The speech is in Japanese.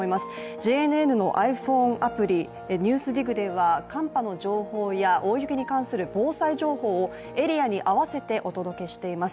ＪＮＮのｉＰｈｏｎｅアプリ「ＮＥＷＳＤＩＧ」では寒波の情報や、大雪に関する防災情報をエリアに合わせてお届けしています。